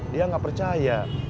dia nggak percaya